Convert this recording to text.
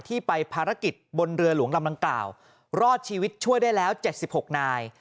ที่ไปภารกิจบนเรือหลวงลำดังกล่าวรอดชีวิตช่วยได้แล้ว๗๖นาย